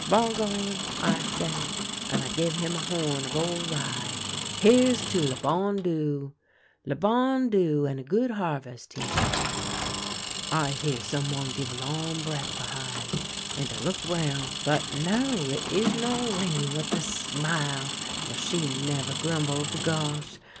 "' Bargon,' I say — and I give him a horn of old rye —' here's to le bon Dieu !'"' Le bon Dieu, and a good harvest !' he say, " I hear some one give a long breath behin', and I look round ; but, no ! it is Norinne with a smile — for she never grumble — bagosh